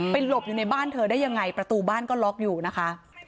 หลบอยู่ในบ้านเธอได้ยังไงประตูบ้านก็ล็อกอยู่นะคะ